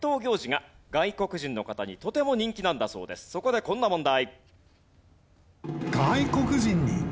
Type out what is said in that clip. そこでこんな問題。